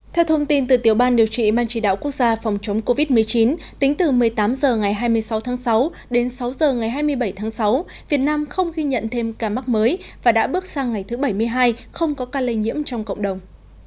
theo thông tin từ tiểu ban điều trị mang chỉ đạo quốc gia phòng chống covid một mươi chín tính từ một mươi tám h ngày hai mươi sáu tháng sáu đến sáu h ngày hai mươi bảy tháng sáu việt nam không ghi nhận thêm ca mắc mới và đã bước sang ngày thứ bảy mươi hai không có ca lây nhiễm trong cộng đồng